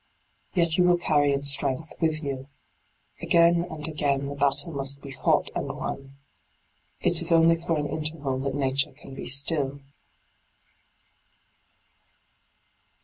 Yet you will carry its strength with you. Again and again the battle must be fought and won. It is only for an interval that Nature can be still.